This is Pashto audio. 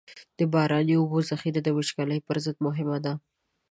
د باراني اوبو ذخیره د وچکالۍ پر ضد مهمه ده.